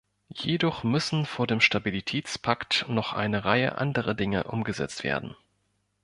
Jedoch müssen vor dem Stabilitätspakt noch eine Reihe anderer Dinge umgesetzt werden.